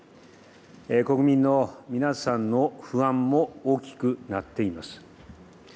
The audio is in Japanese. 国民の皆さんの不安も大きくなっています。